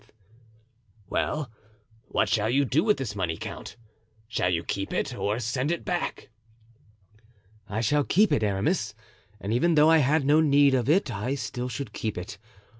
"Well, what shall you do with this money, count? Shall you keep it or send it back?" "I shall keep it, Aramis, and even though I had no need of it I still should keep it.